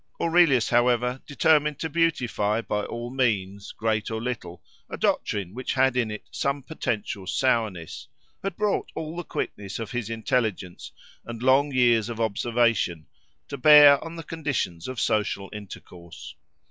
Aurelius, however, determined to beautify by all means, great or little, a doctrine which had in it some potential sourness, had brought all the quickness of his intelligence, and long years of observation, to bear on the conditions of social intercourse.